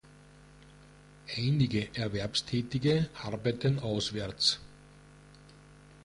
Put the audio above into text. Einige Erwerbstätige arbeiten auswärts.